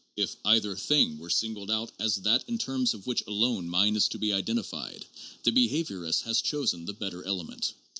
If either thing were singled out as that in terms of which alone mind is to be denned, the behaviorist has chosen the better element.